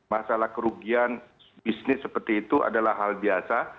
masalah kerugian bisnis seperti itu adalah hal biasa